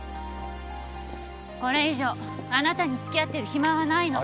これ以上あなたに付き合ってる暇はないの